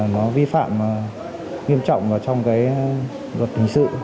nó vi phạm nghiêm trọng trong luật hình sự